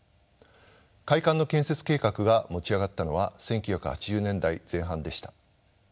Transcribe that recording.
会館の建設計画が持ち上がったのは１９８０年代前半でした。